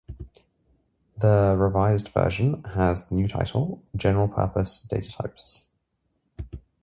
The revised version has the new title "General Purpose Datatypes".